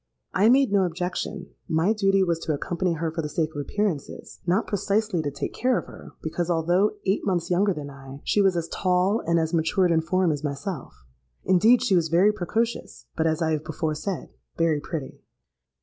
I made no objection; my duty was to accompany her for the sake of appearances—not precisely to take care of her, because, although eight months younger than I, she was as tall and as matured in form as myself. Indeed she was very precocious, but, as I have before said, very pretty.